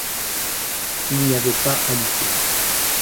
Il n’y avait pas à lutter.